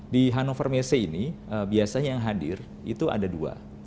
di hannover messe ini biasanya yang hadir itu ada dua